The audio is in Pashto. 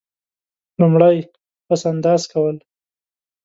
لومړی: پس انداز کول.